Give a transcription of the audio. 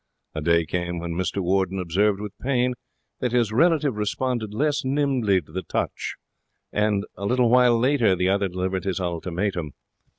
A day came when Mr Warden observed with pain that his relative responded less nimbly to the touch. And a little while later the other delivered his ultimatum.